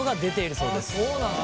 そうなんだ。